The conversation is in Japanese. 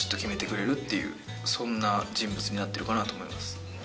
そんな人物になってるかなと思います。